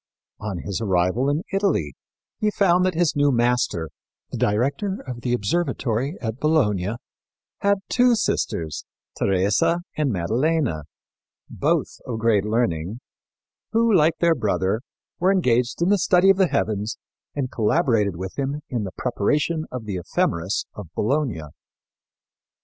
On his arrival in Italy he found that his new master, the director of the observatory at Bologna, had two sisters, Teresa and Maddalena, both of great learning, who, like their brother, were engaged in the study of the heavens and collaborated with him in the preparation of the Ephemeris of Bologna.